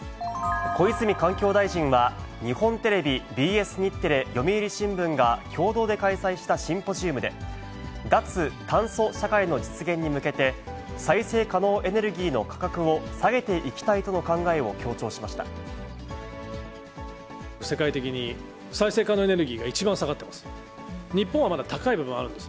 小泉環境大臣は、日本テレビ、ＢＳ日テレ、読売新聞が共同で開催したシンポジウムで、脱炭素社会の実現に向けて、再生可能エネルギーの価格を下げていきたいと世界的に再生可能エネルギーが一番下がってます。